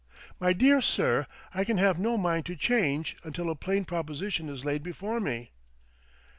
"My dear sir, I can have no mind to change until a plain proposition is laid before me."